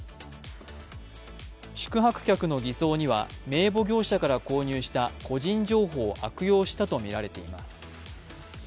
宿泊客の偽装には名簿業者から購入した個人情報を悪用したとみられています。